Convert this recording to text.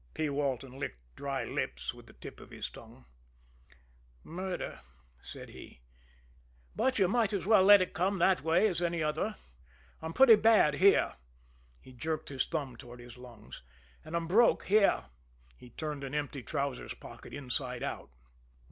P. Walton licked dry lips with the tip of his tongue. "Murder," said he. "But you might as well let it come that way as any other. I'm pretty bad here" he jerked his thumb toward his lungs "and I'm broke here" he turned an empty trouser's pocket inside out.